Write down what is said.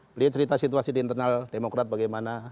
beliau cerita situasi di internal demokrat bagaimana